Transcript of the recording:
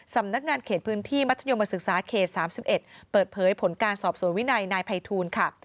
สำนักงานเขตพื้นที่มัธยมศึกษาเขต๓๑เปิดเผยผลการสอบสวนวินัยนายภัยทูลค่ะ